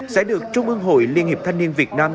sẽ được trung ương hội liên hiệp thanh niên việt nam